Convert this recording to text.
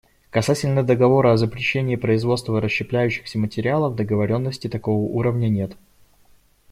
Касательно договора о запрещении производства расщепляющихся материалов договоренности такого уровня нет.